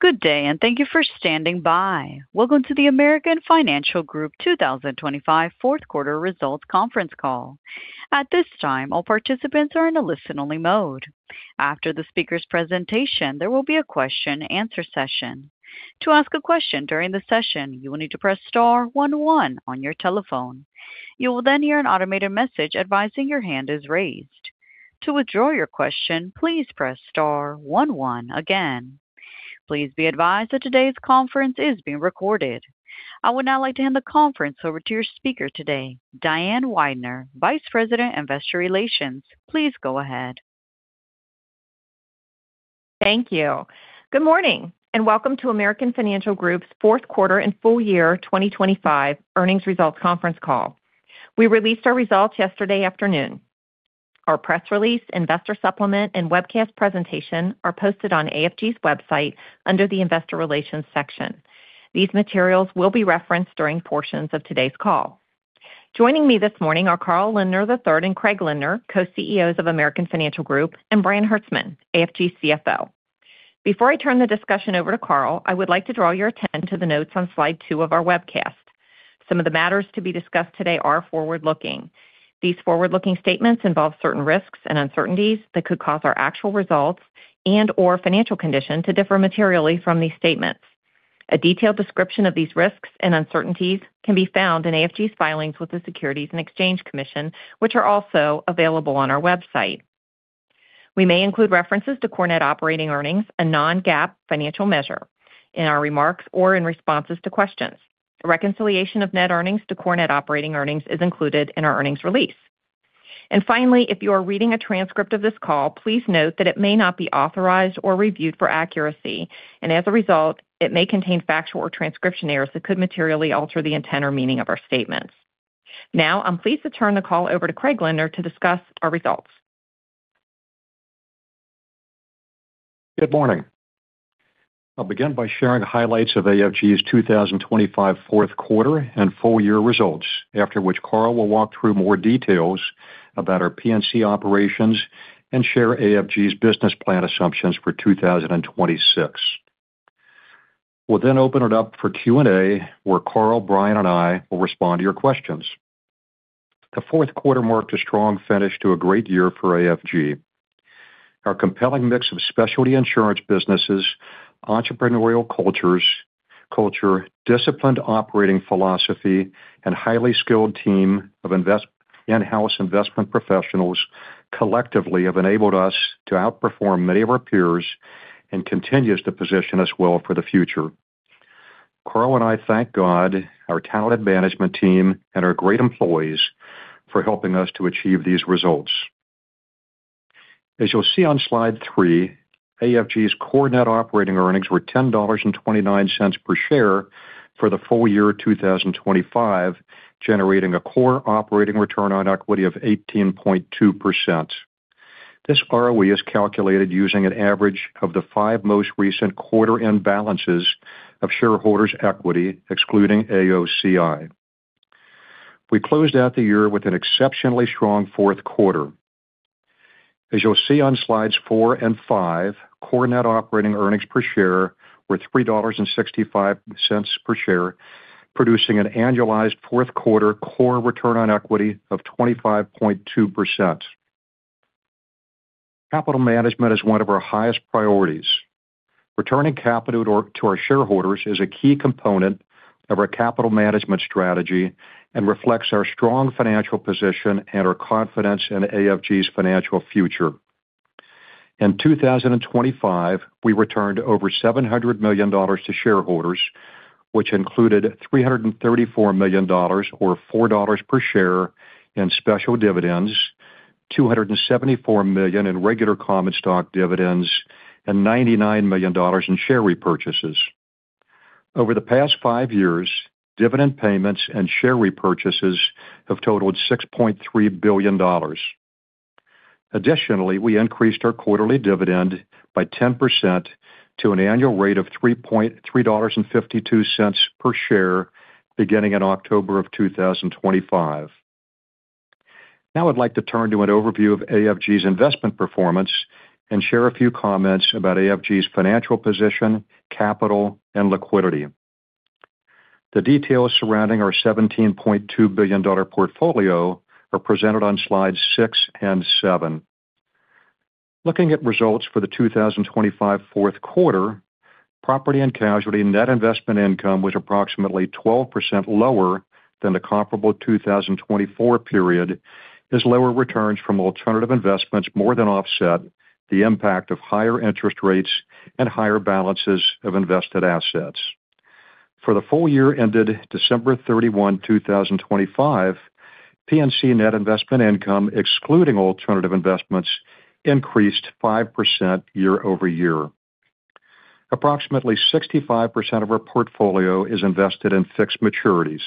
Good day, and thank you for standing by. Welcome to the American Financial Group 2025 fourth quarter results conference call. At this time, all participants are in a listen-only mode. After the speaker's presentation, there will be a question-and-answer session. To ask a question during the session, you will need to press star one one on your telephone. You will then hear an automated message advising your hand is raised. To withdraw your question, please press star one one again. Please be advised that today's conference is being recorded. I would now like to hand the conference over to your speaker today, Diane Weidner, Vice President, Investor Relations. Please go ahead. Thank you. Good morning, and welcome to American Financial Group's fourth quarter and full year 2025 earnings results conference call. We released our results yesterday afternoon. Our press release, investor supplement, and webcast presentation are posted on AFG's website under the Investor Relations section. These materials will be referenced during portions of today's call. Joining me this morning are Carl Lindner III and Craig Lindner, Co-CEOs of American Financial Group, and Brian Hertzman, AFG CFO. Before I turn the discussion over to Carl, I would like to draw your attention to the notes on Slide 2 of our webcast. Some of the matters to be discussed today are forward-looking. These forward-looking statements involve certain risks and uncertainties that could cause our actual results and/or financial condition to differ materially from these statements. A detailed description of these risks and uncertainties can be found in AFG's filings with the Securities and Exchange Commission, which are also available on our website. We may include references to Core Net Operating Earnings and non-GAAP financial measure in our remarks or in responses to questions. Reconciliation of net earnings to Core Net Operating Earnings is included in our earnings release. Finally, if you are reading a transcript of this call, please note that it may not be authorized or reviewed for accuracy, and as a result, it may contain factual or transcription errors that could materially alter the intent or meaning of our statements. Now, I'm pleased to turn the call over to Craig Lindner to discuss our results. Good morning. I'll begin by sharing highlights of AFG's 2025 fourth quarter and full year results, after which Carl will walk through more details about our P&C operations and share AFG's business plan assumptions for 2026. We'll then open it up for Q&A, where Carl, Brian, and I will respond to your questions. The fourth quarter marked a strong finish to a great year for AFG. Our compelling mix of specialty insurance businesses, entrepreneurial culture, disciplined operating philosophy, and highly skilled team of in-house investment professionals collectively have enabled us to outperform many of our peers and continues to position us well for the future. Carl and I thank God, our talent management team, and our great employees for helping us to achieve these results. As you'll see on Slide 3, AFG's Core Net Operating Earnings were $10.29 per share for the full year 2025, generating a core operating return on equity of 18.2%. This ROE is calculated using an average of the 5 most recent quarter-end balances of shareholders' equity, excluding AOCI. We closed out the year with an exceptionally strong fourth quarter. As you'll see on Slides 4 and 5, Core Net Operating Earnings per share were $3.65 per share, producing an annualized fourth quarter core return on equity of 25.2%. Capital management is one of our highest priorities. Returning capital to our shareholders is a key component of our capital management strategy and reflects our strong financial position and our confidence in AFG's financial future. In 2025, we returned over $700 million to shareholders, which included $334 million or $4 per share in special dividends, $274 million in regular common stock dividends, and $99 million in share repurchases. Over the past 5 years, dividend payments and share repurchases have totaled $6.3 billion. Additionally, we increased our quarterly dividend by 10% to an annual rate of $3.3 and $0.52 per share, beginning in October 2025. Now I'd like to turn to an overview of AFG's investment performance and share a few comments about AFG's financial position, capital, and liquidity. The details surrounding our $17.2 billion portfolio are presented on Slides 6 and 7. Looking at results for the 2025 fourth quarter, property and casualty net investment income was approximately 12% lower than the comparable 2024 period, as lower returns from alternative investments more than offset the impact of higher interest rates and higher balances of invested assets. For the full year ended December 31, 2025, P&C net investment income, excluding alternative investments, increased 5% year-over-year. Approximately 65% of our portfolio is invested in fixed maturities.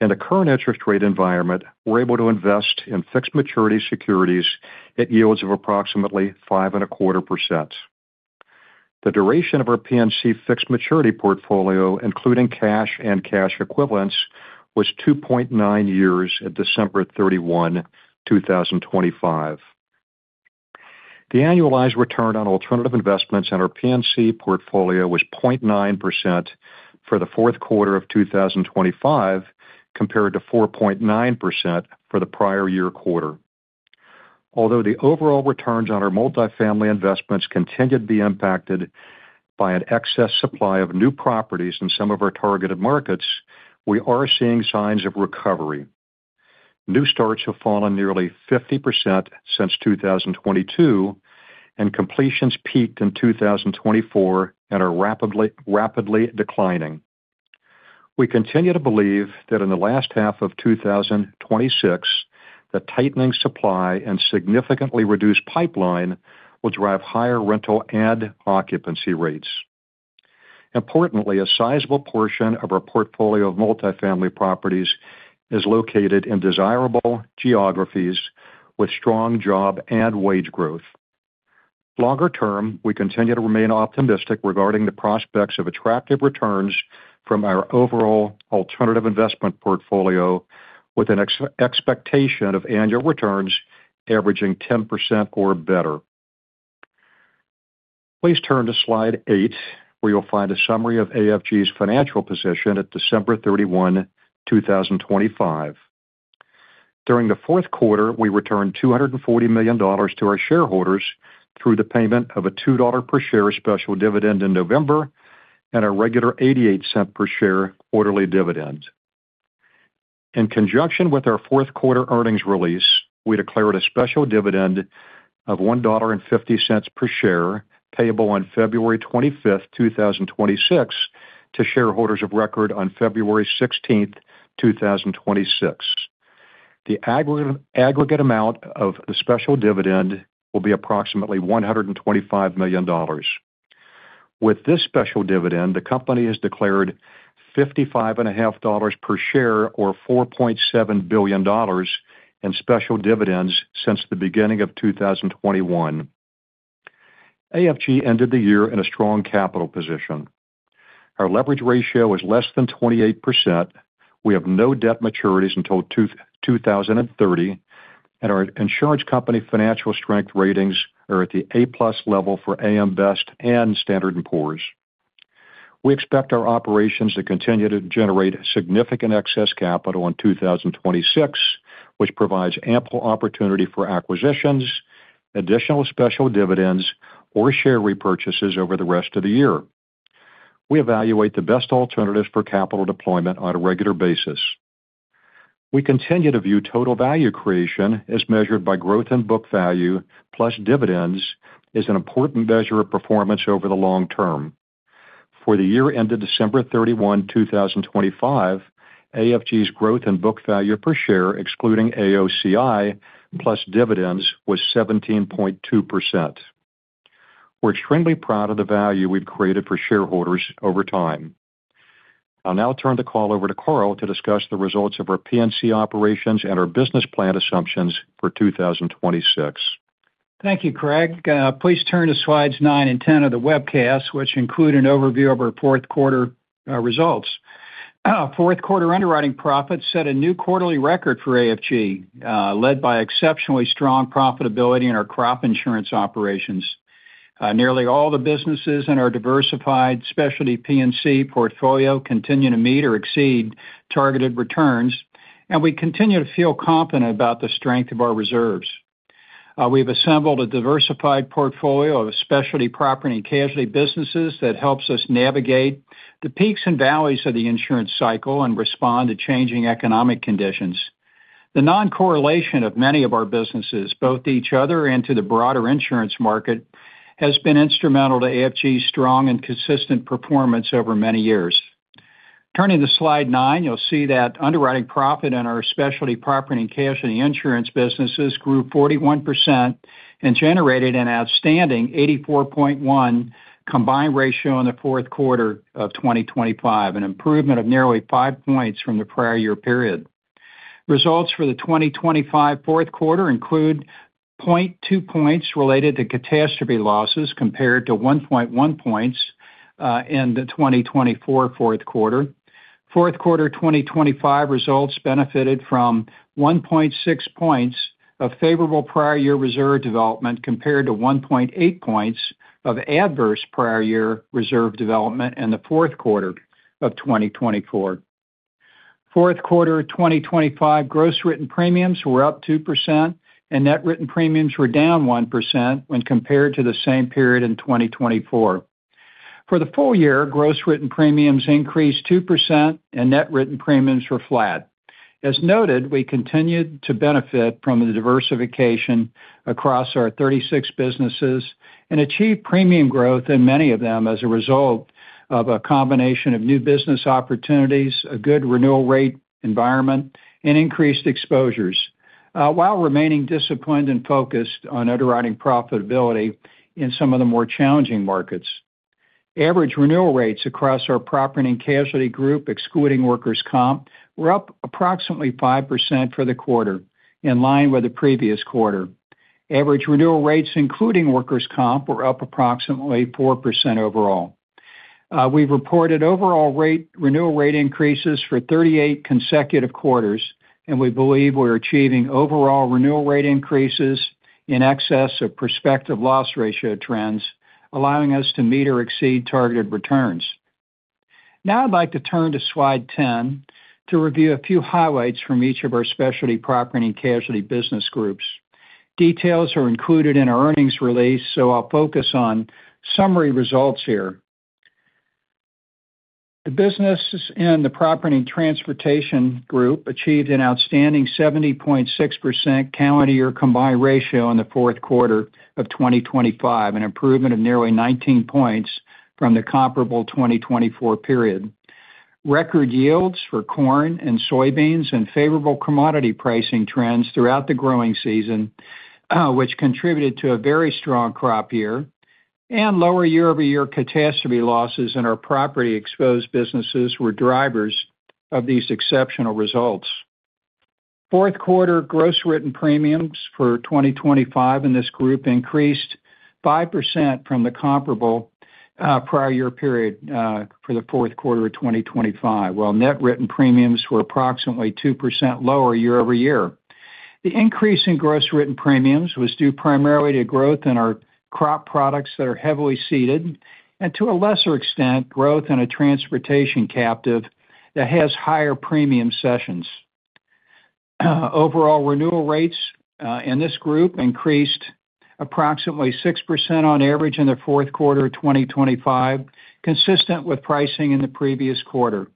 In the current interest rate environment, we're able to invest in fixed maturity securities at yields of approximately 5.25%. The duration of our P&C fixed maturity portfolio, including cash and cash equivalents, was 2.9 years at December 31, 2025. The annualized return on alternative investments in our P&C portfolio was 0.9% for the fourth quarter of 2025, compared to 4.9% for the prior year quarter. Although the overall returns on our multifamily investments continue to be impacted by an excess supply of new properties in some of our Targeted Markets, we are seeing signs of recovery. New starts have fallen nearly 50% since 2022, and completions peaked in 2024 and are rapidly declining. We continue to believe that in the last half of 2026, the tightening supply and significantly reduced pipeline will drive higher rental and occupancy rates. Importantly, a sizable portion of our portfolio of multifamily properties is located in desirable geographies with strong job and wage growth. Longer term, we continue to remain optimistic regarding the prospects of attractive returns from our overall alternative investment portfolio, with an expectation of annual returns averaging 10% or better. Please turn to Slide 8, where you'll find a summary of AFG's financial position at December 31, 2025. During the fourth quarter, we returned $240 million to our shareholders through the payment of a $2 per share special dividend in November and a regular $0.88 per share quarterly dividend. In conjunction with our fourth quarter earnings release, we declared a special dividend of $1.50 per share, payable on February 25, 2026, to shareholders of record on February 16, 2026. The aggregate amount of the special dividend will be approximately $125 million. With this special dividend, the company has declared $55.50 per share, or $4.7 billion in special dividends since the beginning of 2021. AFG ended the year in a strong capital position. Our leverage ratio is less than 28%. We have no debt maturities until 2030, and our insurance company financial strength ratings are at the A+ level for AM Best and Standard & Poor's. We expect our operations to continue to generate significant excess capital in 2026, which provides ample opportunity for acquisitions, additional special dividends, or share repurchases over the rest of the year. We evaluate the best alternatives for capital deployment on a regular basis. We continue to view total value creation, as measured by growth in book value plus dividends, as an important measure of performance over the long term. For the year ended December 31, 2025, AFG's growth in book value per share, excluding AOCI, plus dividends, was 17.2%. We're extremely proud of the value we've created for shareholders over time. I'll now turn the call over to Carl to discuss the results of our P&C operations and our business plan assumptions for 2026. Thank you, Craig. Please turn to Slides nine and 10 of the webcast, which include an overview of our fourth quarter results. Fourth quarter underwriting profits set a new quarterly record for AFG, led by exceptionally strong profitability in our crop insurance operations. Nearly all the businesses in our diversified specialty P&C portfolio continue to meet or exceed targeted returns, and we continue to feel confident about the strength of our reserves. We've assembled a diversified portfolio of specialty property and casualty businesses that helps us navigate the peaks and valleys of the insurance cycle and respond to changing economic conditions. The non-correlation of many of our businesses, both to each other and to the broader insurance market, has been instrumental to AFG's strong and consistent performance over many years. Turning to Slide nine, you'll see that underwriting profit in our specialty property and casualty insurance businesses grew 41% and generated an outstanding 84.1 combined ratio in the fourth quarter of 2025, an improvement of nearly 5 points from the prior year period. Results for the 2025 fourth quarter include 0.2 points related to catastrophe losses, compared to 1.1 points in the 2024 fourth quarter. Fourth quarter 2025 results benefited from 1.6 points of favorable prior year reserve development, compared to 1.8 points of adverse prior year reserve development in the fourth quarter of 2024. Fourth quarter 2025 gross written premiums were up 2%, and net written premiums were down 1% when compared to the same period in 2024. For the full year, gross written premiums increased 2% and net written premiums were flat. As noted, we continued to benefit from the diversification across our 36 businesses and achieved premium growth in many of them as a result of a combination of new business opportunities, a good renewal rate environment, and increased exposures, while remaining disciplined and focused on underwriting profitability in some of the more challenging markets. Average renewal rates across our property and casualty group, excluding workers' comp, were up approximately 5% for the quarter, in line with the previous quarter. Average renewal rates, including workers' comp, were up approximately 4% overall. We've reported overall renewal rate increases for 38 consecutive quarters, and we believe we're achieving overall renewal rate increases in excess of prospective loss ratio trends, allowing us to meet or exceed targeted returns. Now I'd like to turn to Slide 10 to review a few highlights from each of our specialty property and casualty business groups. Details are included in our earnings release, so I'll focus on summary results here. The businesses in the Property and Transportation Group achieved an outstanding 70.6% calendar year combined ratio in the fourth quarter of 2025, an improvement of nearly 19 points from the comparable 2024 period. Record yields for corn and soybeans and favorable commodity pricing trends throughout the growing season, which contributed to a very strong crop year, and lower year-over-year catastrophe losses in our property-exposed businesses were drivers of these exceptional results. Fourth quarter gross written premiums for 2025 in this group increased 5% from the comparable prior year period for the fourth quarter of 2025, while net written premiums were approximately 2% lower year-over-year. The increase in gross written premiums was due primarily to growth in our crop products that are heavily seeded, and to a lesser extent, growth in a transportation captive that has higher premium sessions. Overall, renewal rates in this group increased approximately 6% on average in the fourth quarter of 2025, consistent with pricing in the previous quarter.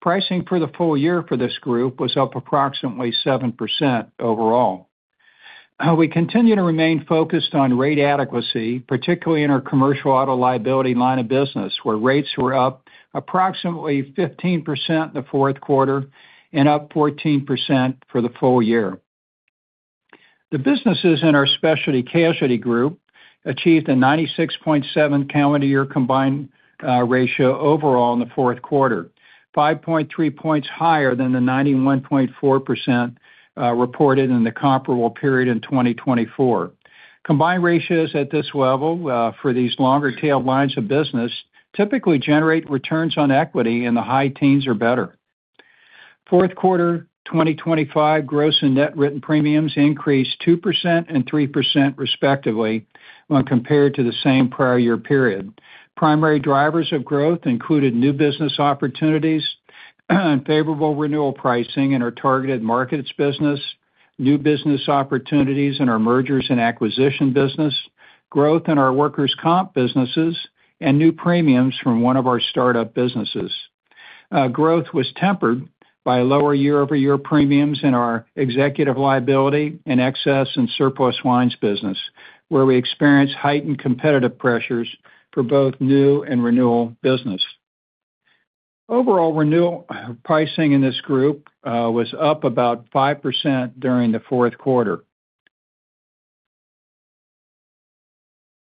Pricing for the full year for this group was up approximately 7% overall. We continue to remain focused on rate adequacy, particularly in our Commercial Auto Liability line of business, where rates were up approximately 15% in the fourth quarter and up 14% for the full year. The businesses in our Specialty Casualty Group achieved a 96.7 calendar year combined ratio overall in the fourth quarter, 5.3 points higher than the 91.4% reported in the comparable period in 2024. Combined ratios at this level for these longer tail lines of business typically generate returns on equity in the high teens or better. Fourth quarter 2025 gross and net written premiums increased 2% and 3%, respectively, when compared to the same prior year period. Primary drivers of growth included new business opportunities, and favorable renewal pricing in our Targeted Markets business, new business opportunities in our Mergers & Acquisitions business, growth in our workers' comp businesses, and new premiums from one of our startup businesses. Growth was tempered by lower year-over-year premiums in our Executive Liability and Excess and Surplus Lines business, where we experienced heightened competitive pressures for both new and renewal business. Overall, renewal pricing in this group was up about 5% during the fourth quarter.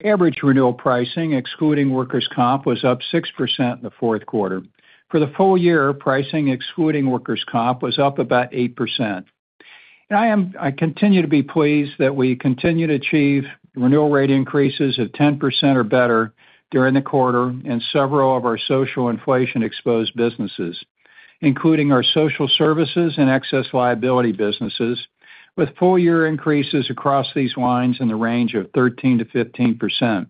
Average renewal pricing, excluding workers' comp, was up 6% in the fourth quarter. For the full year, pricing, excluding workers' comp, was up about 8%. I continue to be pleased that we continue to achieve renewal rate increases of 10% or better during the quarter in several of our social inflation-exposed businesses, including our Social Services and Excess Liability businesses, with full year increases across these lines in the range of 13%-15%.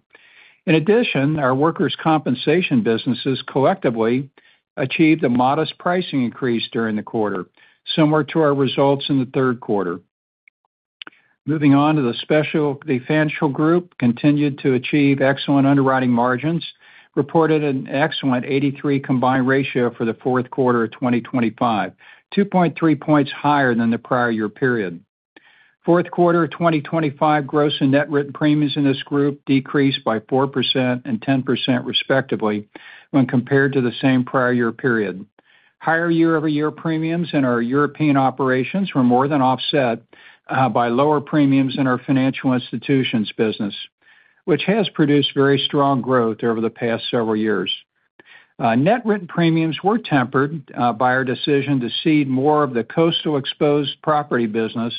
In addition, our workers' compensation businesses collectively achieved a modest pricing increase during the quarter, similar to our results in the third quarter. Moving on to the Specialty Financial Group continued to achieve excellent underwriting margins, reported an excellent 83 combined ratio for the fourth quarter of 2025, 2.3 percentage points higher than the prior year period. Fourth quarter of 2025, gross and net written premiums in this group decreased by 4% and 10%, respectively, when compared to the same prior year period. Higher year-over-year premiums in our European operations were more than offset by lower premiums in our Financial Institutions Business, which has produced very strong growth over the past several years. Net written premiums were tempered by our decision to cede more of the coastal exposed property business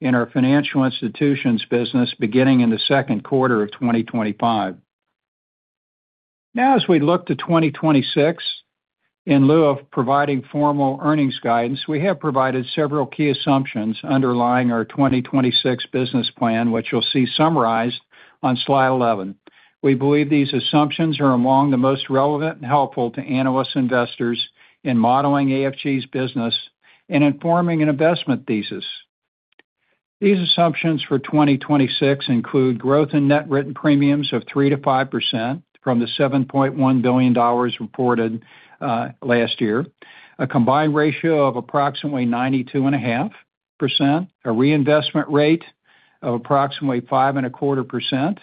in our Financial Institutions Business, beginning in the second quarter of 2025. Now, as we look to 2026, in lieu of providing formal earnings guidance, we have provided several key assumptions underlying our 2026 business plan, which you'll see summarized on Slide 11. We believe these assumptions are among the most relevant and helpful to analyst investors in modeling AFG's business and informing an investment thesis. These assumptions for 2026 include growth in net written premiums of 3%-5% from the $7.1 billion reported last year, a combined ratio of approximately 92.5%, a reinvestment rate of approximately 5.25%,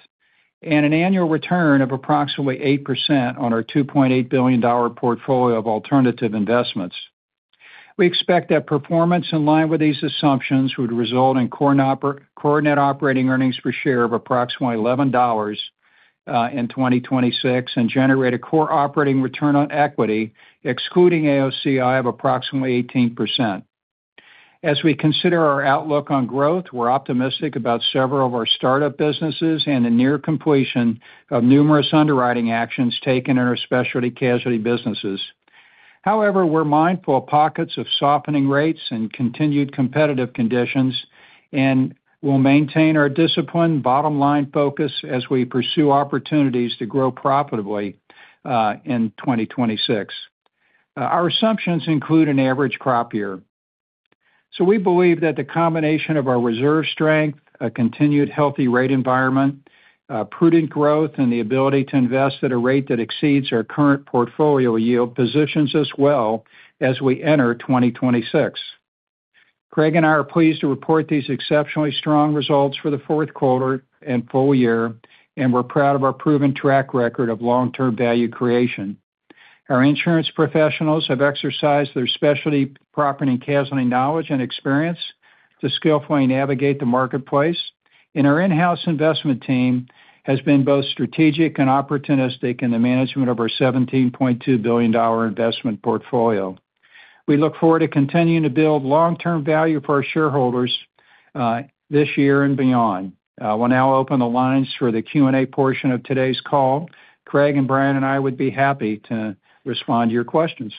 and an annual return of approximately 8% on our $2.8 billion portfolio of alternative investments. We expect that performance in line with these assumptions would result in Core Net Operating Earnings per share of approximately $11 in 2026, and generate a core operating return on equity, excluding AOCI, of approximately 18%... As we consider our outlook on growth, we're optimistic about several of our startup businesses and the near completion of numerous underwriting actions taken in our specialty casualty businesses. However, we're mindful of pockets of softening rates and continued competitive conditions, and we'll maintain our disciplined bottom-line focus as we pursue opportunities to grow profitably in 2026. Our assumptions include an average crop year. So we believe that the combination of our reserve strength, a continued healthy rate environment, prudent growth, and the ability to invest at a rate that exceeds our current portfolio yield positions us well as we enter 2026. Craig and I are pleased to report these exceptionally strong results for the fourth quarter and full year, and we're proud of our proven track record of long-term value creation. Our insurance professionals have exercised their specialty, property, and casualty knowledge and experience to skillfully navigate the marketplace, and our in-house investment team has been both strategic and opportunistic in the management of our $17.2 billion investment portfolio. We look forward to continuing to build long-term value for our shareholders, this year and beyond. We'll now open the lines for the Q&A portion of today's call. Craig and Brian and I would be happy to respond to your questions.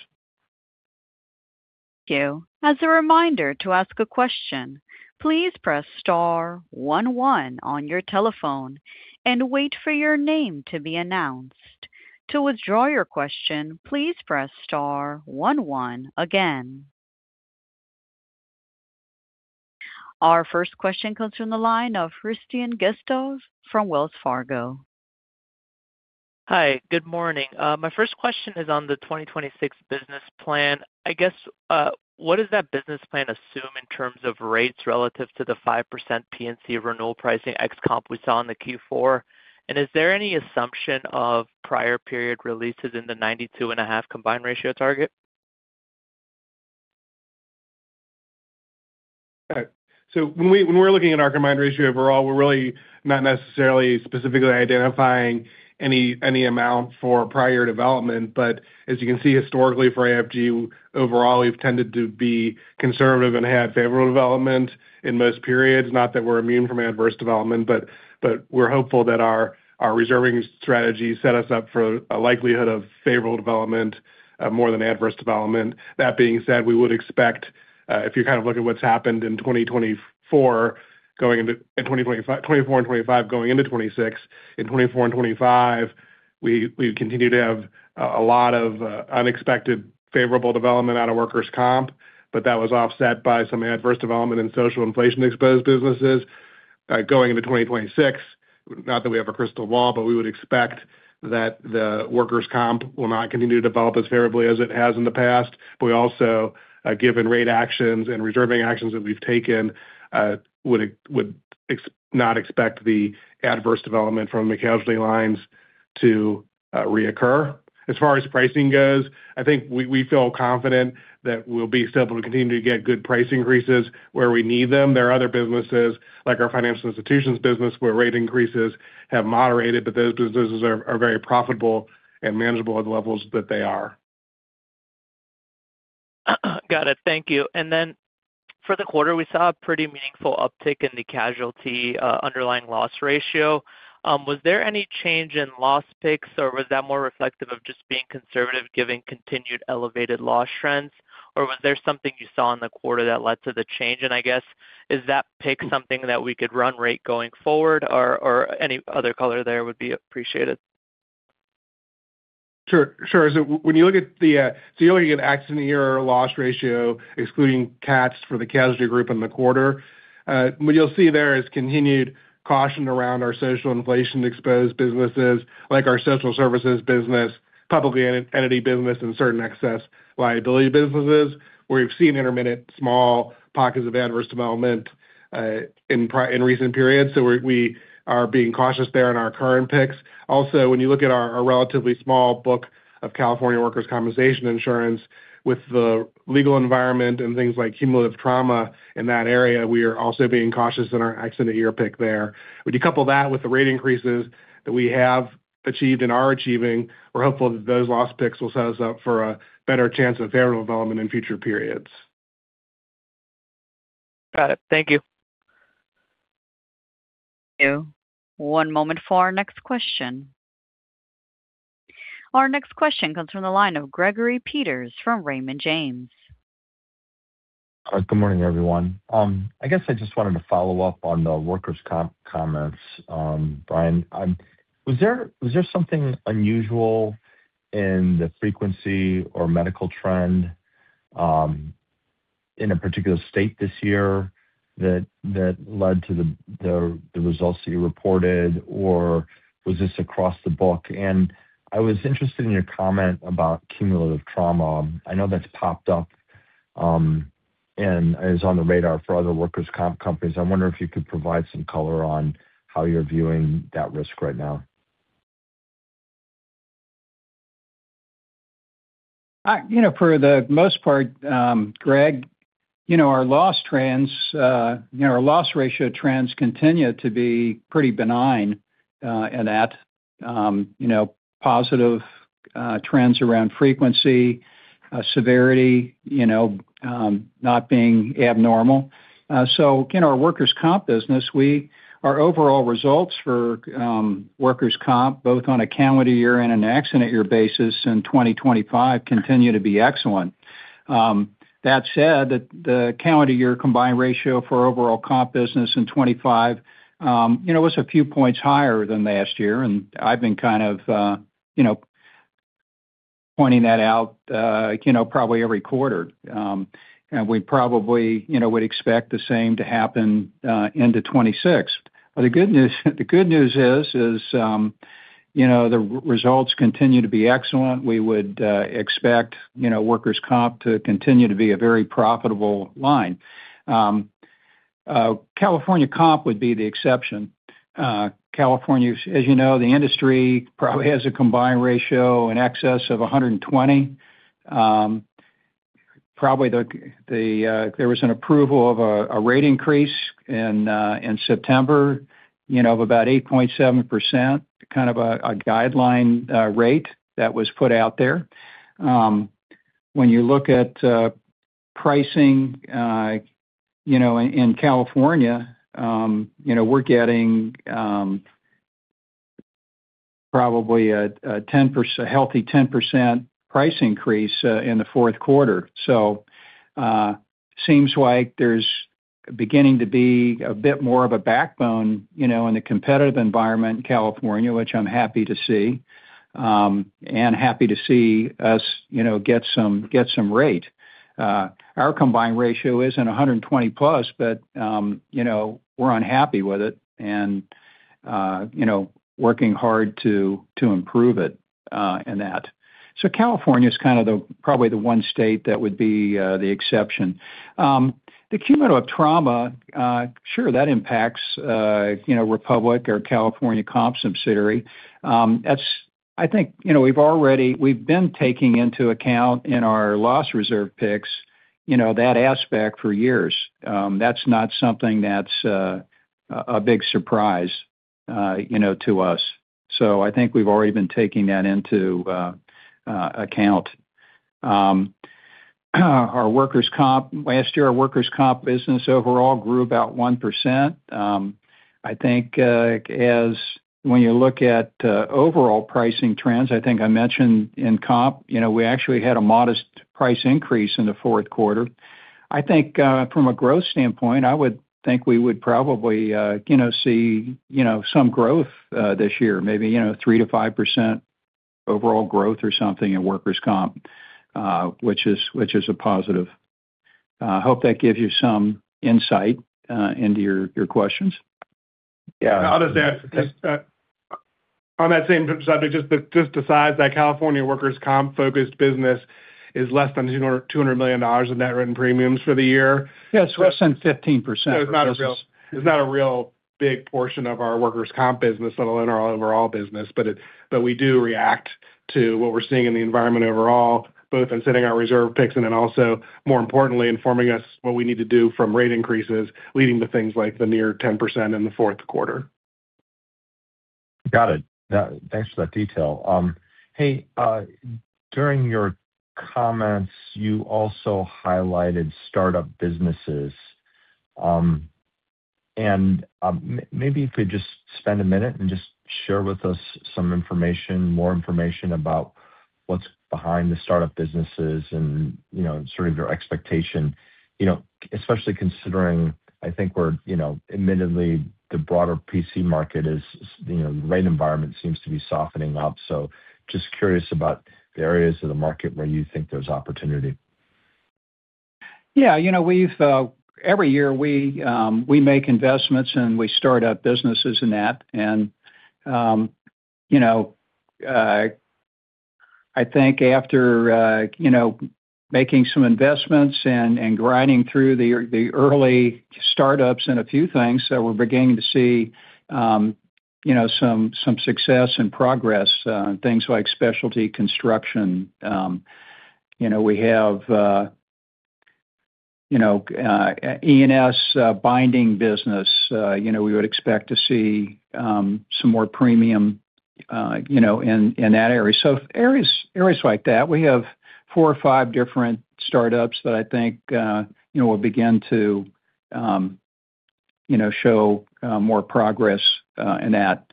Thank you. As a reminder, to ask a question, please press star one one on your telephone and wait for your name to be announced. To withdraw your question, please press star one one again. Our first question comes from the line of Hristian Getsov from Wells Fargo. Hi, good morning. My first question is on the 2026 business plan. I guess, what does that business plan assume in terms of rates relative to the 5% P&C renewal pricing ex-comp we saw in the Q4? And is there any assumption of prior period releases in the 92.5 combined ratio target? Right. So when we're looking at our combined ratio overall, we're really not necessarily specifically identifying any amount for prior development. But as you can see, historically, for AFG, overall, we've tended to be conservative and have favorable development in most periods. Not that we're immune from adverse development, but we're hopeful that our reserving strategy set us up for a likelihood of favorable development more than adverse development. That being said, we would expect if you kind of look at what's happened in 2024, going into 2024 and 2025, going into 2026. In 2024 and 2025, we continue to have a lot of unexpected favorable development out of workers' comp, but that was offset by some adverse development in social inflation-exposed businesses. Going into 2026, not that we have a crystal ball, but we would expect that the workers' comp will not continue to develop as favorably as it has in the past. But we also, given rate actions and reserving actions that we've taken, would not expect the adverse development from the casualty lines to reoccur. As far as pricing goes, I think we feel confident that we'll be able to continue to get good price increases where we need them. There are other businesses, like our Financial Institutions Business, where rate increases have moderated, but those businesses are very profitable and manageable at the levels that they are. Got it. Thank you. And then for the quarter, we saw a pretty meaningful uptick in the casualty underlying loss ratio. Was there any change in loss picks, or was that more reflective of just being conservative, giving continued elevated loss trends? Or was there something you saw in the quarter that led to the change? And I guess, is that pick something that we could run rate going forward, or any other color there would be appreciated. Sure. Sure. So when you look at the, so you look at accident year or loss ratio, excluding cats for the casualty group in the quarter, what you'll see there is continued caution around our social inflation-exposed businesses, like our Social Services business, Public Entity business, and certain Excess Liability businesses, where we've seen intermittent small pockets of adverse development, in recent periods. So we, we are being cautious there in our current picks. Also, when you look at our, our relatively small book of California workers' compensation insurance, with the legal environment and things like cumulative trauma in that area, we are also being cautious in our accident year pick there. When you couple that with the rate increases that we have achieved and are achieving, we're hopeful that those loss picks will set us up for a better chance of favorable development in future periods. Got it. Thank you. Thank you. One moment for our next question. Our next question comes from the line of Gregory Peters from Raymond James. Good morning, everyone. I guess I just wanted to follow up on the workers' comp comments. Brian, was there something unusual in the frequency or medical trend in a particular state this year that led to the results that you reported, or was this across the book? And I was interested in your comment about cumulative trauma. I know that's popped up and is on the radar for other workers' comp companies. I wonder if you could provide some color on how you're viewing that risk right now. You know, for the most part, Greg, you know, our loss trends, you know, our loss ratio trends continue to be pretty benign and at, you know, positive trends around frequency, severity, you know, not being abnormal. So in our workers' comp business, our overall results for workers' comp, both on a calendar year and an accident year basis in 2025 continue to be excellent. That said, the calendar year combined ratio for overall comp business in 2025 was a few points higher than last year, and I've been kind of, you know, pointing that out, you know, probably every quarter. And we probably, you know, would expect the same to happen into 2026. But the good news is, you know, the results continue to be excellent. We would expect, you know, workers' comp to continue to be a very profitable line. California comp would be the exception. California, as you know, the industry probably has a combined ratio in excess of 120. Probably the, there was an approval of a rate increase in September, you know, of about 8.7%, kind of a guideline rate that was put out there. When you look at pricing, you know, in California, you know, we're getting probably a 10%-- a healthy 10% price increase in the fourth quarter. So, seems like there's beginning to be a bit more of a backbone, you know, in the competitive environment in California, which I'm happy to see, and happy to see us, you know, get some, get some rate. Our combined ratio isn't 100+, but you know, we're unhappy with it and you know, working hard to improve it in that. So California is kind of the probably the one state that would be the exception. The cumulative trauma sure, that impacts you know, Republic, our California comp subsidiary. That's—I think you know, we've already, we've been taking into account in our loss reserve picks you know, that aspect for years. That's not something that's a big surprise you know, to us. So I think we've already been taking that into account. Our workers' comp, last year, our workers' comp business overall grew about 1%. I think, as when you look at overall pricing trends, I think I mentioned in comp, you know, we actually had a modest price increase in the fourth quarter. I think, from a growth standpoint, I would think we would probably, you know, see, you know, some growth this year, maybe, you know, 3%-5% overall growth or something in workers' comp, which is, which is a positive. I hope that gives you some insight into your, your questions. Yeah. I'll just add, on that same subject, just the size, that California workers' comp-focused business is less than $200 million in net written premiums for the year. Yes, less than 15%. It's not a real big portion of our workers' comp business, let alone our overall business, but we do react to what we're seeing in the environment overall, both in setting our reserve picks and then also, more importantly, informing us what we need to do from rate increases, leading to things like the near 10% in the fourth quarter. Got it. Thanks for that detail. Hey, during your comments, you also highlighted startup businesses. And maybe if we just spend a minute and just share with us some information, more information about what's behind the startup businesses and, you know, sort of your expectation, you know, especially considering, I think we're, you know, admittedly, the broader PC market is, you know, the rate environment seems to be softening up. So just curious about the areas of the market where you think there's opportunity. Yeah, you know, we have, every year, we make investments, and we start up businesses in that. You know, I think after you know making some investments and grinding through the early startups and a few things, so we're beginning to see, you know, some success and progress in things like Specialty Construction. You know, we have, you know, E&S binding business. You know, we would expect to see some more premium, you know, in that area. So areas like that, we have four or five different startups that I think, you know, will begin to, you know, show more progress in that.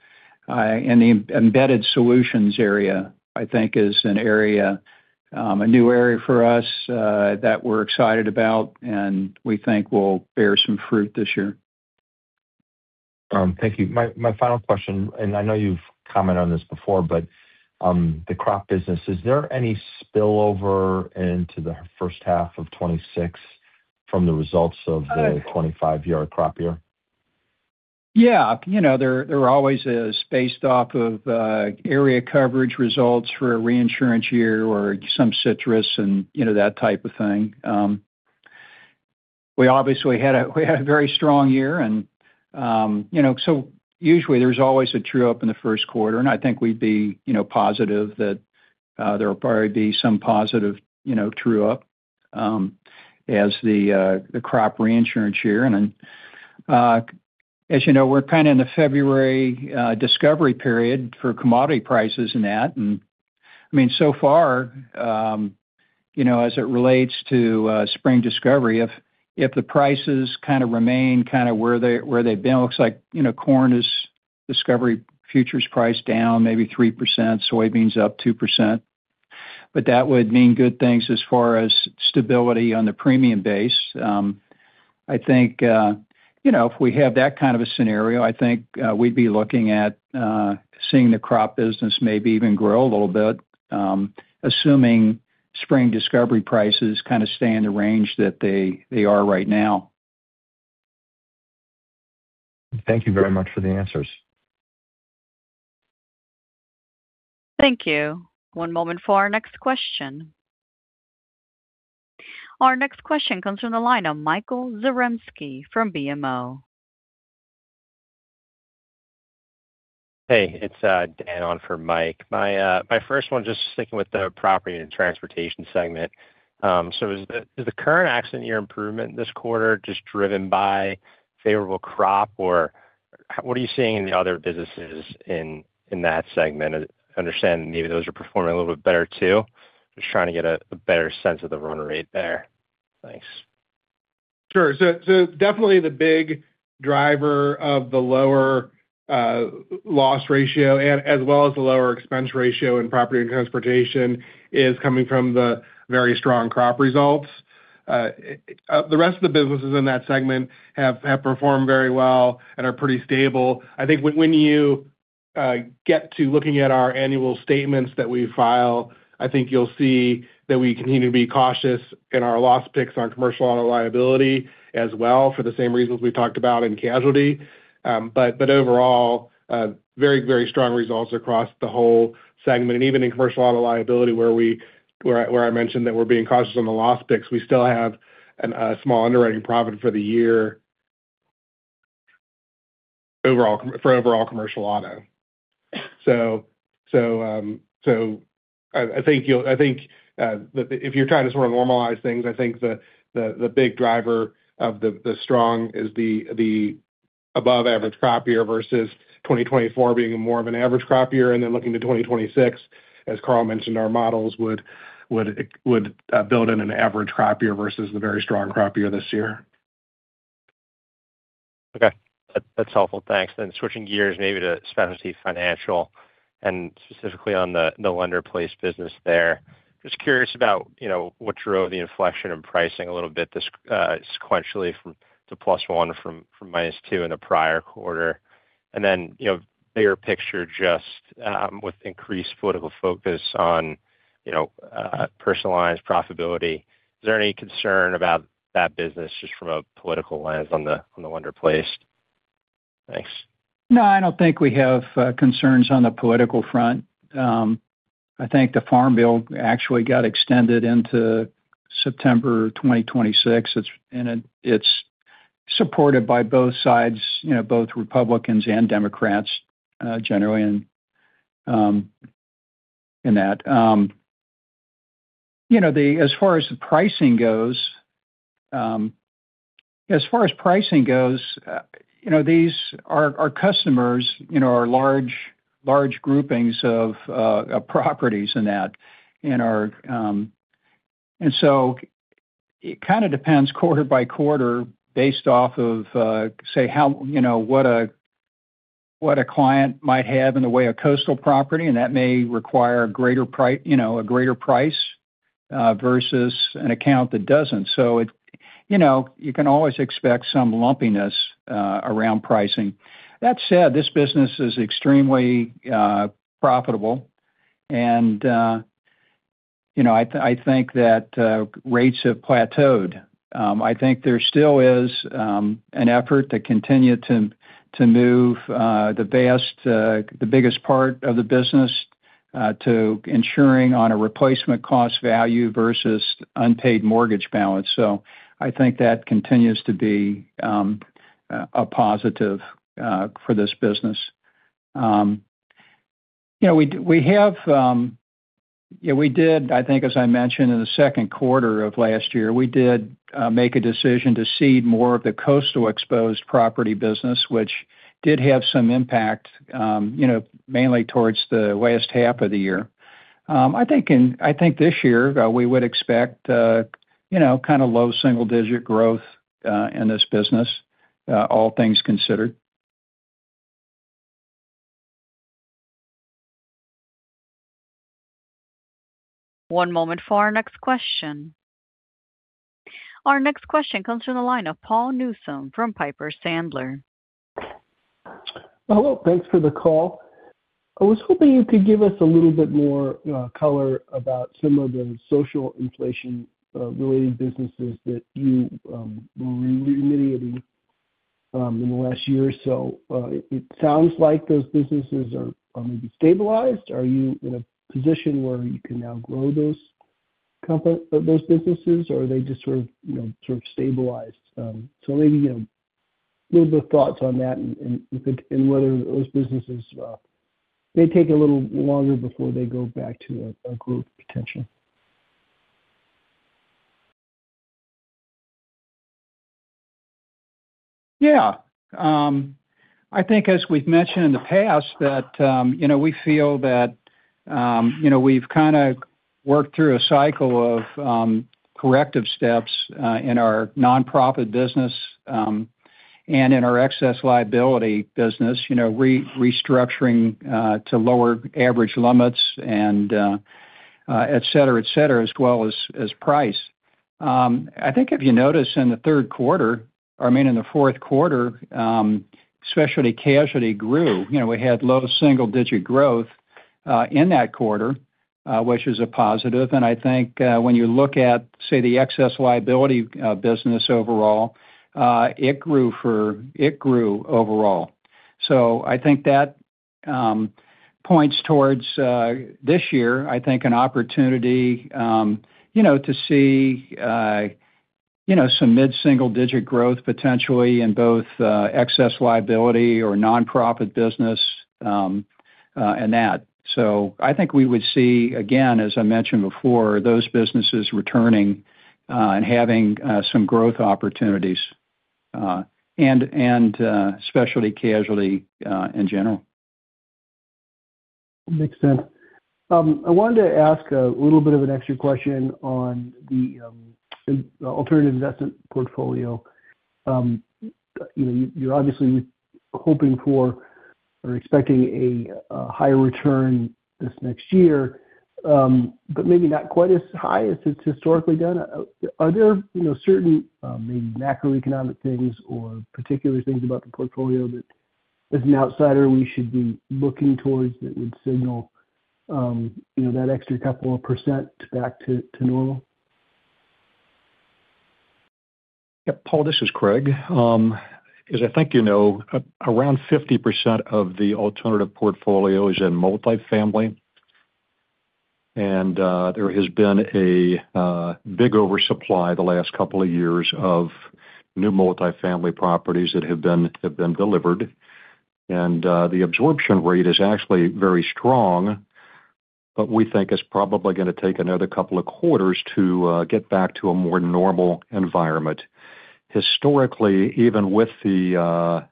And the Embedded Solutions area, I think, is an area, a new area for us that we're excited about, and we think will bear some fruit this year. Thank you. My final question, and I know you've commented on this before, but the crop business, is there any spillover into the first half of 2026 from the results of the 2025 crop year? Yeah, you know, there always is, based off of area coverage results for a reinsurance year or some citrus and, you know, that type of thing. We obviously had a, we had a very strong year and, you know, usually there's always a true-up in the first quarter, and I think we'd be, you know, positive that there will probably be some positive, you know, true-up as the crop reinsurance year. As you know, we're kind of in the February discovery period for commodity prices and that, and I mean, so far, you know, as it relates to spring discovery, if the prices kind of remain kind of where they, where they've been, it looks like, you know, corn is discovery, futures price down maybe 3%, soybeans up 2%. But that would mean good things as far as stability on the premium base. I think, you know, if we have that kind of a scenario, I think, we'd be looking at seeing the crop business maybe even grow a little bit, assuming spring discovery prices kind of stay in the range that they, they are right now. Thank you very much for the answers. Thank you. One moment for our next question. Our next question comes from the line of Michael Zaremski from BMO. Hey, it's Dan on for Mike. My first one, just sticking with the property and transportation segment. So is the current accident year improvement this quarter just driven by favorable crop? Or what are you seeing in the other businesses in that segment? I understand maybe those are performing a little bit better too. Just trying to get a better sense of the run rate there. Thanks. Sure. So definitely the big driver of the lower loss ratio, and as well as the lower expense ratio in Property and Transportation, is coming from the very strong crop results. The rest of the businesses in that segment have performed very well and are pretty stable. I think when you get to looking at our annual statements that we file, I think you'll see that we continue to be cautious in our loss picks on Commercial Auto Liability as well, for the same reasons we've talked about in casualty. But overall, very strong results across the whole segment. And even in Commercial Auto Liability, where I mentioned that we're being cautious on the loss picks, we still have a small underwriting profit for the year overall, for overall Commercial Auto. So, I think if you're trying to sort of normalize things, I think the big driver of the strong is the above average crop year versus 2024 being more of an average crop year, and then looking to 2026, as Carl mentioned, our models would build in an average crop year versus the very strong crop year this year. Okay. That's helpful. Thanks. Then switching gears maybe to specialty financial, and specifically on the lender-placed business there. Just curious about, you know, what drove the inflection in pricing a little bit this sequentially from the +1 from -2 in the prior quarter. And then, you know, bigger picture just, with increased political focus on, you know, personalized profitability, is there any concern about that business just from a political lens on the lender-placed? Thanks. No, I don't think we have concerns on the political front. I think the Farm Bill actually got extended into September 2026. It's, and it's supported by both sides, you know, both Republicans and Democrats, generally in that. You know, as far as the pricing goes, as far as pricing goes, you know, these are our customers, you know, large groupings of properties in that, in our... And so it kind of depends quarter by quarter, based off of, say, how, you know, what a client might have in the way of coastal property, and that may require a greater price, you know, a greater price, versus an account that doesn't. So it, you know, you can always expect some lumpiness around pricing. That said, this business is extremely profitable, and, you know, I think that rates have plateaued. I think there still is an effort to continue to move the biggest part of the business to insuring on a replacement cost value versus unpaid mortgage balance. So I think that continues to be a positive for this business. You know, we have, yeah, we did, I think as I mentioned in the second quarter of last year, we did make a decision to cede more of the coastal exposed property business, which did have some impact, you know, mainly towards the last half of the year. I think this year we would expect, you know, kind of low single-digit growth in this business, all things considered. One moment for our next question. Our next question comes from the line of Paul Newsome from Piper Sandler. Hello, thanks for the call. I was hoping you could give us a little bit more color about some of the social inflation related businesses that you were remediating in the last year or so. It sounds like those businesses are maybe stabilized. Are you in a position where you can now grow those businesses, or are they just sort of, you know, sort of stabilized? So maybe, you know, a little bit of thoughts on that and whether those businesses may take a little longer before they go back to a growth potential. Yeah. I think as we've mentioned in the past, that, you know, we feel that, you know, we've kind of worked through a cycle of corrective steps in our nonprofit business and in our Excess Liability business, you know, restructuring to lower average limits and, et cetera, et cetera, as well as price. I think if you notice in the third quarter, I mean, in the fourth quarter, specialty casualty grew. You know, we had low single-digit growth in that quarter, which is a positive. I think when you look at, say, the Excess Liability business overall, it grew overall. So I think that points towards this year, I think, an opportunity, you know, to see you know, some mid-single digit growth potentially in both Excess Liability or nonprofit business and that. So I think we would see, again, as I mentioned before, those businesses returning and having some growth opportunities and specialty casualty in general. Makes sense. I wanted to ask a little bit of an extra question on the alternative investment portfolio. You know, you're obviously hoping for or expecting a higher return this next year, but maybe not quite as high as it's historically done. Are there, you know, certain, maybe macroeconomic things or particular things about the portfolio that, as an outsider, we should be looking towards that would signal, you know, that extra couple of percent back to normal? Yeah, Paul, this is Craig. As I think you know, around 50% of the alternative portfolio is in multifamily, and there has been a big oversupply the last couple of years of new multifamily properties that have been delivered. And the absorption rate is actually very strong, but we think it's probably gonna take another couple of quarters to get back to a more normal environment. Historically, even with the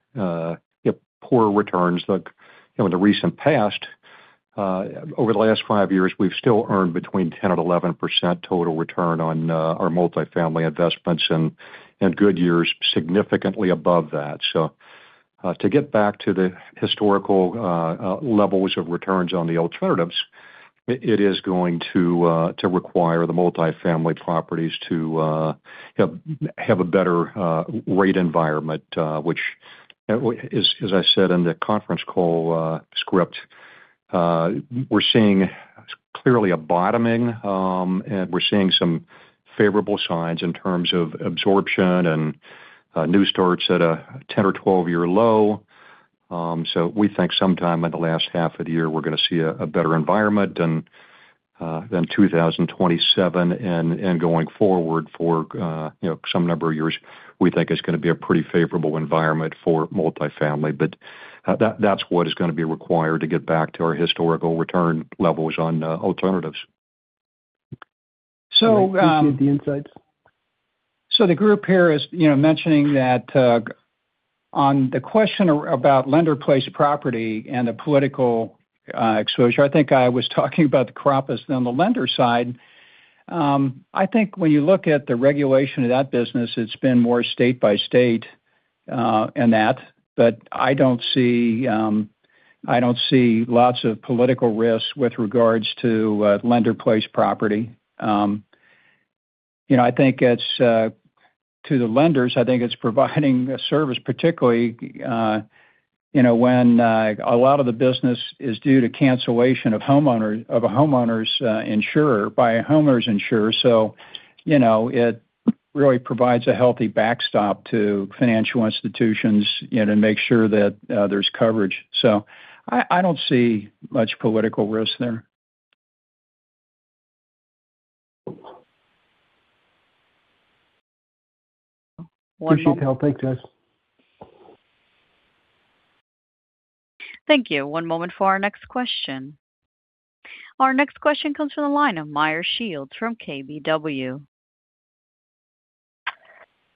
poor returns that, you know, in the recent past, over the last 5 years, we've still earned between 10% and 11% total return on our multifamily investments, and good years significantly above that. So, to get back to the historical levels of returns on the alternatives, it is going to require the multifamily properties to have a better rate environment, which, as I said in the conference call script, we're seeing clearly a bottoming, and we're seeing some favorable signs in terms of absorption and new starts at a 10- or 12-year low. So we think sometime in the last half of the year, we're gonna see a better environment than 2027, and going forward for, you know, some number of years, we think it's gonna be a pretty favorable environment for multifamily. But that, that's what is gonna be required to get back to our historical return levels on alternatives. So, um- Appreciate the insights. The group here is, you know, mentioning that, on the question about lender-placed property and the political exposure, I think I was talking about the crop as on the lender side. I think when you look at the regulation of that business, it's been more state by state, and that, but I don't see, I don't see lots of political risks with regards to lender-placed property. You know, I think it's, to the lenders, I think it's providing a service, particularly, you know, when a lot of the business is due to cancellation of a homeowner's insurer by a homeowner's insurer. So, you know, it really provides a healthy backstop to financial institutions, you know, to make sure that there's coverage. I don't see much political risk there. Appreciate the help. Thanks, guys. Thank you. One moment for our next question. Our next question comes from the line of Meyer Shields from KBW.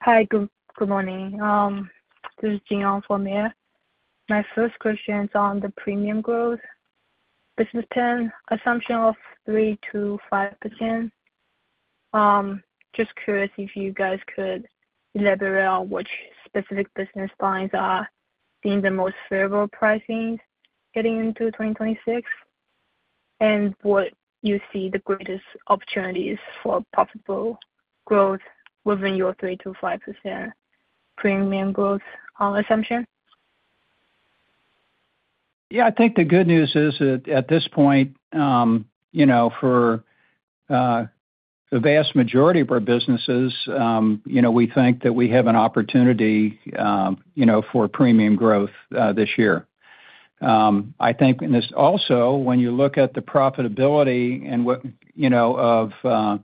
Hi, good morning. This is Jing Li for Meyer Shields. My first question is on the premium growth. Business plan assumption of 3%-5%. Just curious if you guys could elaborate on which specific business lines are seeing the most favorable pricing getting into 2026, and what you see the greatest opportunities for profitable growth within your 3%-5% premium growth assumption? Yeah, I think the good news is that at this point, you know, for the vast majority of our businesses, you know, we think that we have an opportunity, you know, for premium growth, this year. I think, and it's also, when you look at the profitability and what, you know, of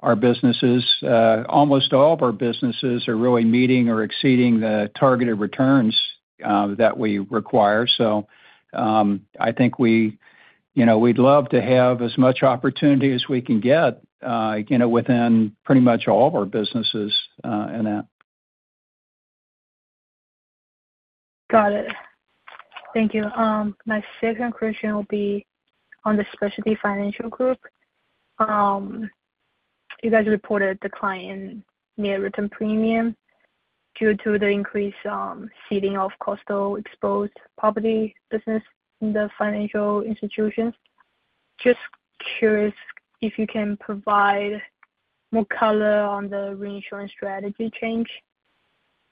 our businesses, almost all of our businesses are really meeting or exceeding the targeted returns, that we require. So, I think you know, we'd love to have as much opportunity as we can get, you know, within pretty much all of our businesses, in that. Got it. Thank you. My second question will be on the specialty financial group. You guys reported the combined net written premium due to the increased ceding of coastal exposed property business in the financial institutions. Just curious if you can provide more color on the reinsurance strategy change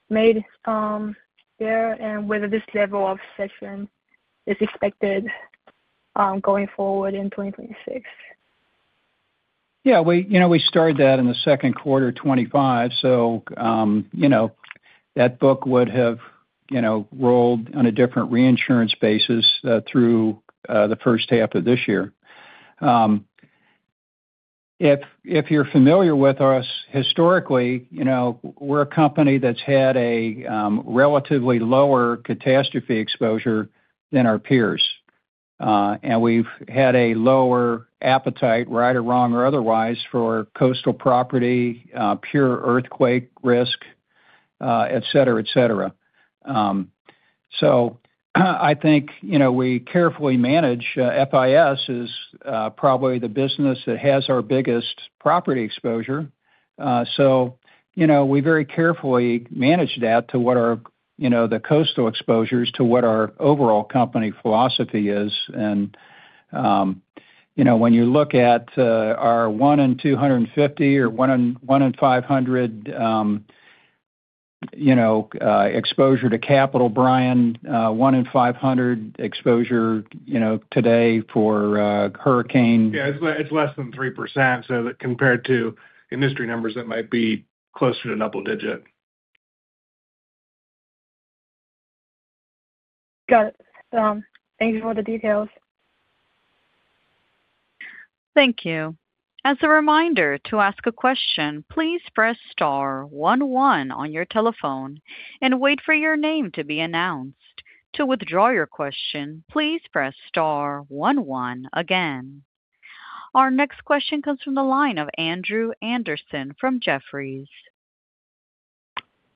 made there, and whether this level of cession is expected going forward in 2026. Yeah, we, you know, we started that in the second quarter of 2025, so, you know, that book would have, you know, rolled on a different reinsurance basis, through, the first half of this year. If you're familiar with us historically, you know, we're a company that's had a, relatively lower catastrophe exposure than our peers. And we've had a lower appetite, right or wrong or otherwise, for coastal property, pure earthquake risk, et cetera, et cetera. So, I think, you know, we carefully manage, FIS is, probably the business that has our biggest property exposure. So, you know, we very carefully manage that to what our, you know, the coastal exposures to what our overall company philosophy is. You know, when you look at our 1 in 250 or 1 in 500 exposure to capital, Brian, 1 in 500 exposure, you know, today for hurricane- Yeah, it's less than 3%, so that compared to industry numbers, that might be closer to double digit. Got it. Thank you for the details. Thank you. As a reminder, to ask a question, please press star one one on your telephone and wait for your name to be announced. To withdraw your question, please press star one one again. Our next question comes from the line of Andrew Andersen from Jefferies.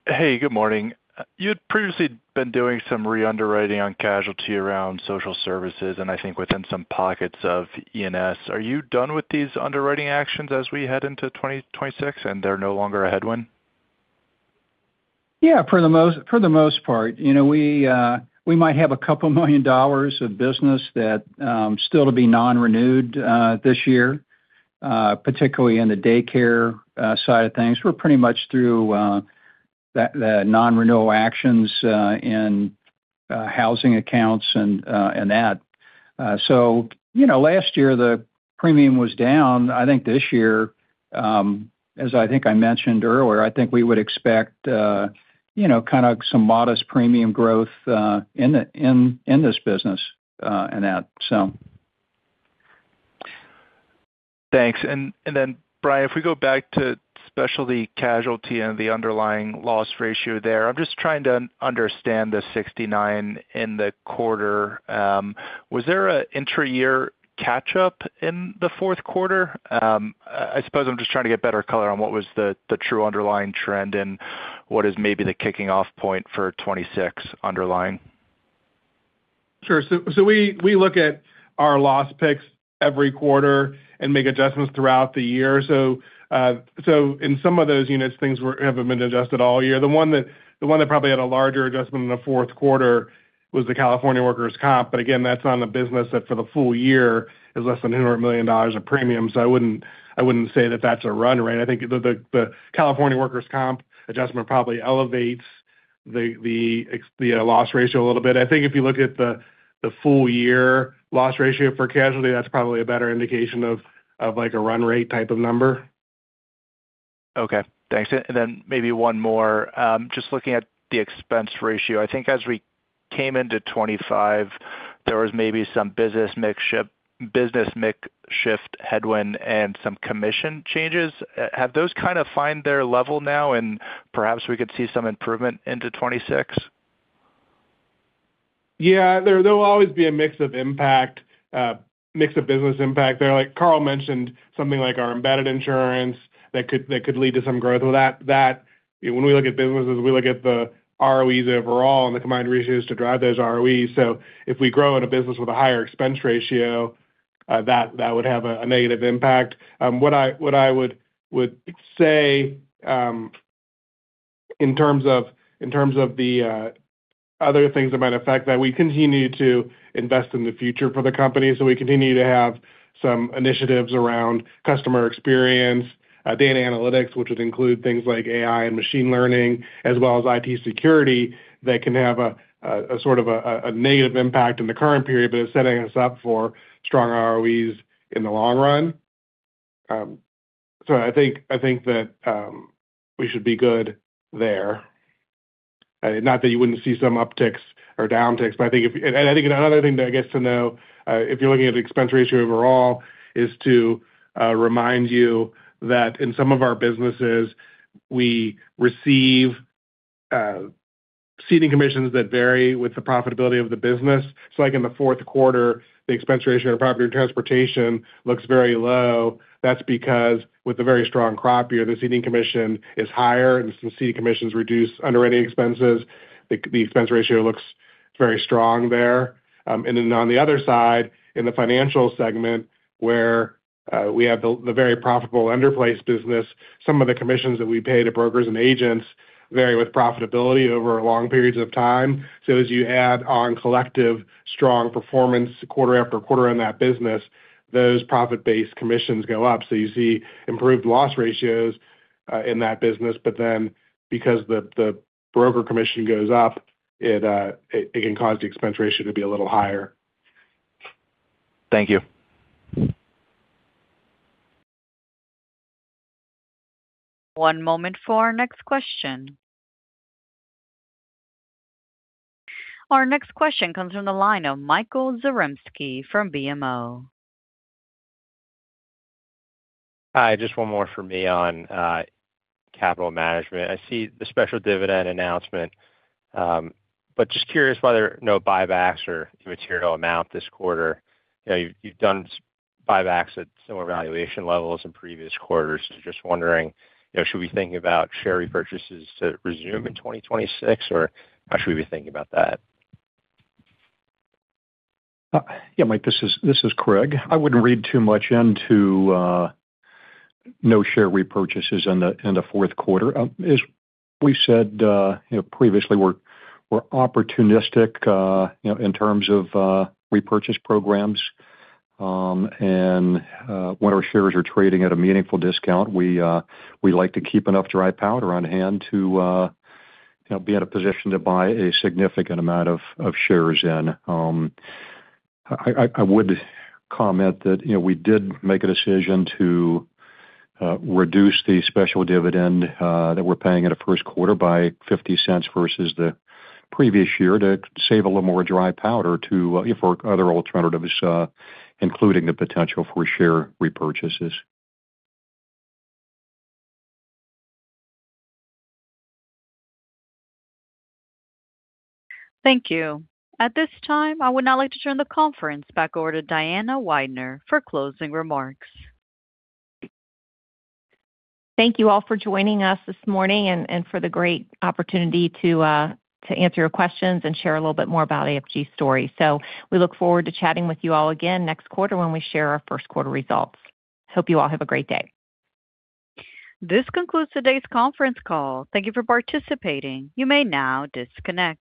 Hey, good morning. You'd previously been doing some reunderwriting on casualty around Social Services, and I think within some pockets of ENS. Are you done with these underwriting actions as we head into 2026, and they're no longer a headwind? Yeah, for the most part. You know, we might have a couple million dollars of business that still to be non-renewed this year, particularly in the daycare side of things. We're pretty much through the non-renewal actions in housing accounts and that. So, you know, last year the premium was down. I think this year, as I think I mentioned earlier, I think we would expect, you know, kind of some modest premium growth in this business, and that, so. Thanks. Then, Brian, if we go back to Specialty Casualty and the underlying loss ratio there, I'm just trying to understand the 69 in the quarter. Was there an intra-year catch up in the fourth quarter? I suppose I'm just trying to get better color on what was the true underlying trend, and what is maybe the kicking off point for 2026 underlying. Sure. So we look at our loss picks every quarter and make adjustments throughout the year. So in some of those units, things haven't been adjusted all year. The one that probably had a larger adjustment in the fourth quarter was the California workers' comp. But again, that's on the business that for the full year is less than $100 million of premium. So I wouldn't say that that's a run rate. I think the California workers' comp adjustment probably elevates the loss ratio a little bit. I think if you look at the full year loss ratio for casualty, that's probably a better indication of like a run rate type of number. Okay, thanks. And then maybe one more. Just looking at the expense ratio, I think as we came into 2025, there was maybe some business mix shift headwind and some commission changes. Have those kind of find their level now, and perhaps we could see some improvement into 2026? Yeah, there will always be a mix of impact, mix of business impact there. Like Carl mentioned, something like our embedded insurance that could lead to some growth. Well, when we look at businesses, we look at the ROEs overall and the combined ratios to drive those ROE. So if we grow in a business with a higher expense ratio, that would have a negative impact. What I would say, in terms of the other things that might affect, that we continue to invest in the future for the company. So we continue to have some initiatives around customer experience, data analytics, which would include things like AI and machine learning, as well as IT security, that can have a sort of negative impact in the current period, but it's setting us up for stronger ROEs in the long run. So I think that we should be good there. Not that you wouldn't see some upticks or downticks, but I think another thing that I guess to know, if you're looking at the expense ratio overall, is to remind you that in some of our businesses, we receive ceding commissions that vary with the profitability of the business. So like in the fourth quarter, the expense ratio of property and transportation looks very low. That's because with the very strong crop year, the ceding commission is higher, and since ceding commissions reduce underwriting expenses, the expense ratio looks very strong there. And then on the other side, in the financial segment, where we have the very profitable lender-placed business, some of the commissions that we pay to brokers and agents vary with profitability over long periods of time. So as you add on collective strong performance quarter after quarter in that business, those profit-based commissions go up. So you see improved loss ratios in that business, but then, because the broker commission goes up, it can cause the expense ratio to be a little higher. Thank you. One moment for our next question. Our next question comes from the line of Michael Zaremski from BMO. Hi, just one more for me on capital management. I see the special dividend announcement, but just curious why there are no buybacks or material amount this quarter. You know, you've done buybacks at similar valuation levels in previous quarters. So just wondering, you know, should we think about share repurchases to resume in 2026, or how should we be thinking about that? Yeah, Mike, this is Craig. I wouldn't read too much into no share repurchases in the fourth quarter. As we said, you know, previously, we're opportunistic, you know, in terms of repurchase programs. And when our shares are trading at a meaningful discount, we like to keep enough dry powder on hand to, you know, be in a position to buy a significant amount of shares in. I would comment that, you know, we did make a decision to reduce the special dividend that we're paying in the first quarter by $0.50 versus the previous year to save a little more dry powder to, you know, for other alternatives, including the potential for share repurchases. Thank you. At this time, I would now like to turn the conference back over to Diane Weidner for closing remarks. Thank you all for joining us this morning and for the great opportunity to answer your questions and share a little bit more about AFG's story. So we look forward to chatting with you all again next quarter when we share our first quarter results. Hope you all have a great day. This concludes today's conference call. Thank you for participating. You may now disconnect.